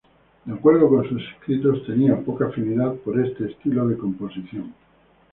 De acuerdo con sus escritos, tenía poca afinidad por este estilo de composición.